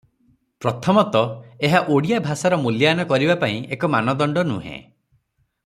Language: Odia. ପ୍ରଥମତଃ ଏହା ଓଡ଼ିଆ ଭାଷାର ମୂଲ୍ୟାୟନ କରିବା ପାଇଁ ଏକ ମାନଦଣ୍ଡ ନୁହେଁ ।